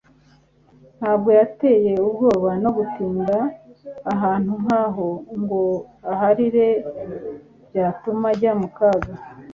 Ntabwo yatewe ubwoba no gutinda ahantu nk'aho, ngo ahari byatuma ajya mu kaga.